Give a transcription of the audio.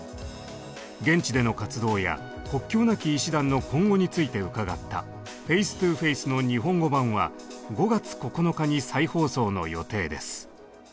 現地での活動や国境なき医師団の今後について伺った「ＦａｃｅＴｏＦａｃｅ」の日本語版は５月９日に再放送の予定です。